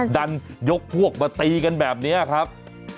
ดันยกพวกมาตีกันแบบนี้ครับ